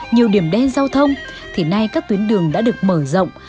nhiều điểm đen giao thông thì nay các tuyến đường đã được mở rộng